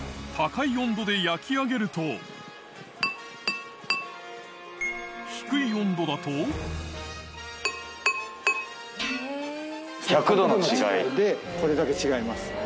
高い温度で焼き上げると低い温度だと１００℃の違いでこれだけ違います。